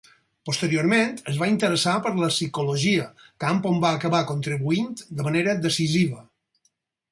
Posteriorment es va interessar per la psicologia, camp on va acabar contribuint de manera decisiva.